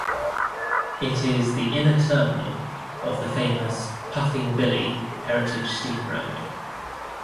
It is the inner terminal of the famous Puffing Billy heritage steam railway.